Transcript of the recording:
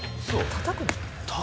たたくの？